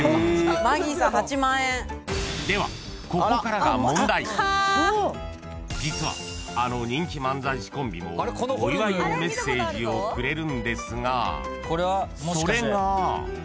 ［ではここからが］［実はあの人気漫才師コンビもお祝いのメッセージをくれるんですがそれが］